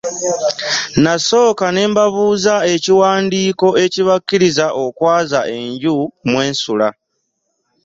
Nasooka ne mbabuuza ekiwandiiko ekibakkiriza okwaza enju mwe nsula.